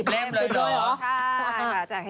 ๑๐เล่มเลยหรอ